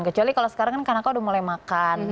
kecuali kalau sekarang kan kanaka udah mulai makan